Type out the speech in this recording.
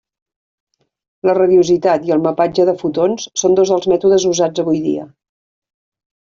La radiositat i el mapatge de fotons són dos dels mètodes usats avui dia.